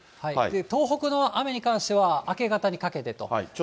東北の雨に関しては明け方にかけてとなりそうです。